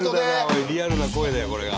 リアルな声だよこれが。